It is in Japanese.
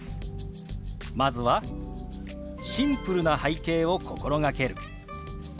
まずは「シンプルな背景を心がける」。